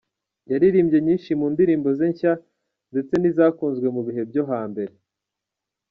Yaririmbye nyinshi mu ndirimbo ze nshya ndetse n’izakunzwe mu bihe byo hambere.